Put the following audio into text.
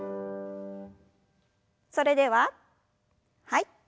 それでははい。